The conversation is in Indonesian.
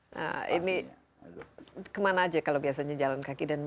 nah ini kemana aja kalau biasanya jalan kaki